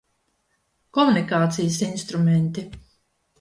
Komunikācijas instrumenti.